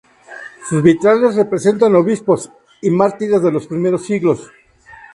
Sus vitrales representan obispos y mártires de los primeros siglos.